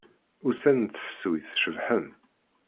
Ussan n tefsut cebḥen.